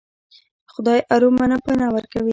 خدای ارومرو پناه ورکوي.